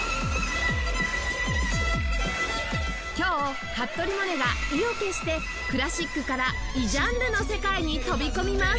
今日服部百音が意を決してクラシックから異ジャンルの世界に飛び込みます！